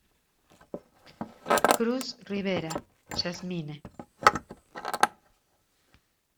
Cruz Rivera, Yasmine.